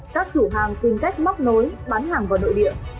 các chủ hàng tìm cách móc nối bán hàng vào nội địa